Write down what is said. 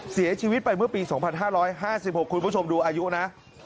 เสียชีวิตไปเมื่อปี๒๕๕๖คุณผู้ชมดูอายุนะ